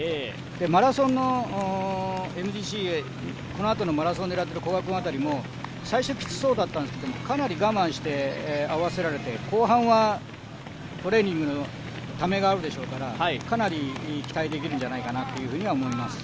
マラソンのＭＧＣへこのあとのマラソンを狙っている古賀君辺りも最初きつそうだったんですけども、かなり我慢して合わせられて後半はトレーニングのためがあるでしょうからかなり期待できるんじゃないかなと思います。